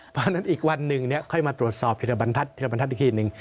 เพราะฉะนั้นอีกวันหนึ่งค่อยมาตรวจสอบธิระบันทัศน์อีกทีนึง